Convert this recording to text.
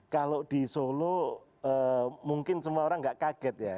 kalau di solo mungkin semua orang tidak kaget ya